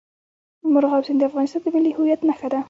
مورغاب سیند د افغانستان د ملي هویت نښه ده.